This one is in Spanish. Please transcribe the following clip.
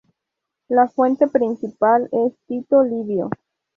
La fuente principal es Tito Livio.